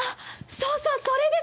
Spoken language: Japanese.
そうそうそれです！